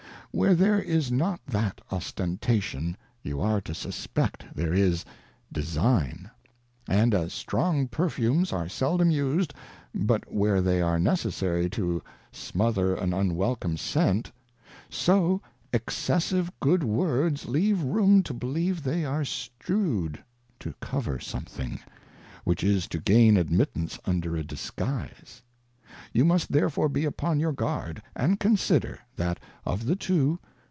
Where there is not that Ostentation you are to suspect there is Design. And as strong perfumes are seldom used but where they are necessary to smother an unwelcome scent; so Excessive good Words leave room to believe they are strewed to cover something, which is to gain admittance under a Disguise. You must therefore be upon your Guard, and consider, that of the two.